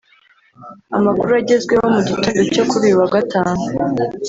Amakuru agezweho mu gitondo cyo kuri uyu wa gatanu